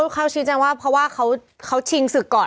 เขาชี้แจงว่าเพราะว่าเขาชิงศึกก่อน